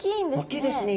大きいですね。